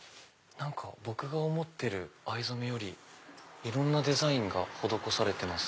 僕が思ってる藍染めよりいろんなデザインが施されてます。